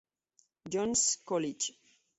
John's College.